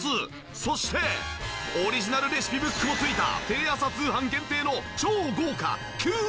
そしてオリジナルレシピブックも付いたテレ朝通販限定の超豪華９点セットです！